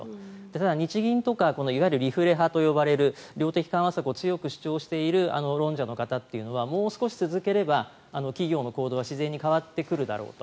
ただ日銀とかいわゆるリフレ派と呼ばれる量的緩和策を強く主張している論者の方というのはもう少し続ければ企業の行動が自然に変わってくるだろうと。